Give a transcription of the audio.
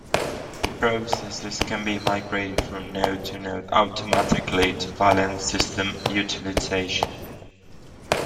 Processes can be migrated from node to node automatically to balance system utilization.